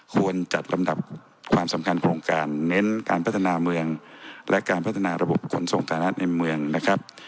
ควรจัดลำดับความสำคัญของการเน้นการพัฒนาเมืองและการพัฒนาระบบขนส่งฐานะในเมืองนะครับ